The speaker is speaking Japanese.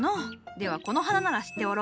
ではこの花なら知っておろう。